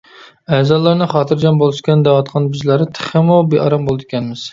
ئەزالارنى خاتىرجەم بولسىكەن دەۋاتقان بىزلەر تېخىمۇ بىئارام بولىدىكەنمىز.